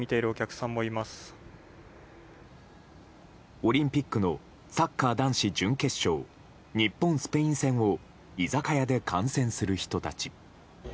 オリンピックのサッカー男子準決勝日本・スペイン戦を居酒屋で観戦する人たち。